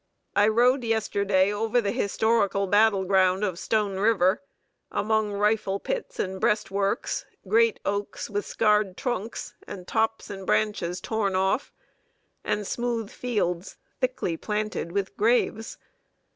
I rode yesterday over the historical battle ground of Stone River, among rifle pits and breastworks, great oaks, with scarred trunks, and tops and branches torn off, and smooth fields thickly planted with graves.